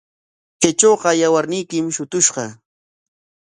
Kaytrawqa yawarniykim shutushqa.